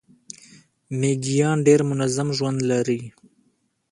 میږیان ډیر منظم ژوند لري